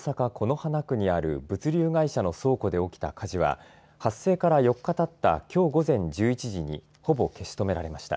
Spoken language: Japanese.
此花区にある物流会社の倉庫で起きた火事は発生から４日たったきょう午前１１時にほぼ消し止められました。